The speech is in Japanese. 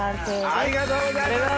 ありがとうございます！